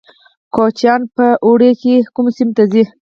کوچیان په اوړي کې کومو سیمو ته ځي؟